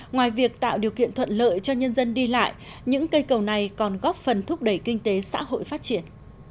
ngoài việc tạo điều kiện thuận lợi cho nhân dân đi lại những cây cầu này còn góp phần thúc đẩy kinh tế xã hội phát triển